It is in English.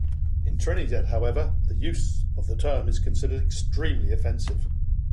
In Trinidad, however, use of the term is considered extremely offensive.